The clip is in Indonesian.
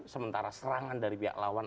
sementara serangan dari pihak lawan